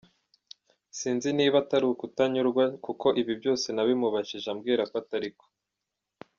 Sinzi niba atari ukutanyurwa kuko ibi byose nabimubajije ambwira ko atariko.